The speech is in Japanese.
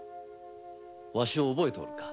ワシを覚えておるか？